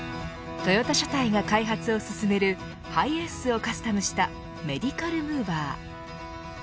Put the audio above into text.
トヨタ車体が開発を進めるハイエースをカスタムしたメディカルムーバー。